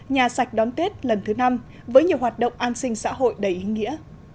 nhà sạch đón tết lần thứ năm với nhiều hoạt động an sinh xã hội đầy ý nghĩa